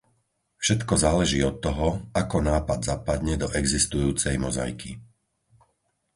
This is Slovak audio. Všetko záleží od toho, ako nápad zapadne do existujúcej mozaiky.